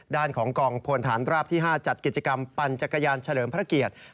ด้านของกองพลฐานราบที่๕จัดกิจกรรมปั่นจักรยานเฉลิมพระเกียรติ